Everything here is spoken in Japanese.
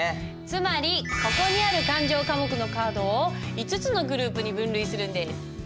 つまりここにある勘定科目のカードを５つのグループに分類するんです。